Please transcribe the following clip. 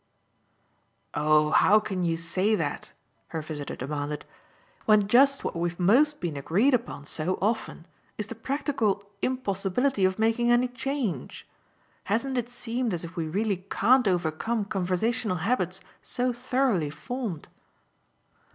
"Oh how can you say that," her visitor demanded, "when just what we've most been agreed upon so often is the practical impossibility of making any change? Hasn't it seemed as if we really can't overcome conversational habits so thoroughly formed?"